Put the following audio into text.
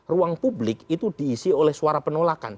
ruang publik itu diisi oleh suara penolakan